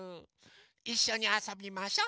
いっしょにあそびましょ。